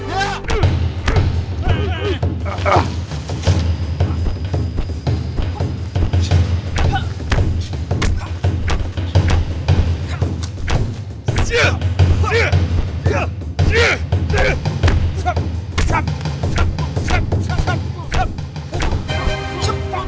saya tidak menculik anak j advertisi dukungan